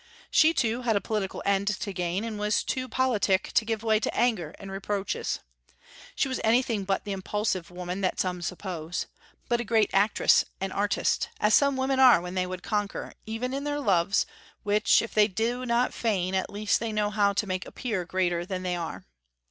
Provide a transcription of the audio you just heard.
She, too, had a political end to gain, and was too politic to give way to anger and reproaches. She was anything but the impulsive woman that some suppose, but a great actress and artist, as some women are when they would conquer, even in their loves, which, if they do not feign, at least they know how to make appear greater than they are.